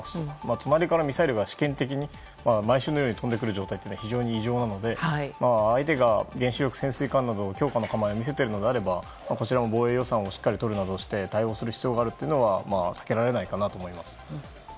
隣からミサイルが試験的に毎週飛んでくるのは非常に異常なので相手が原子力潜水艦などの強化の構えを見せているのであればこちらも防衛予算をしっかりとるなどして対応する必要があるのは避けられないと思います。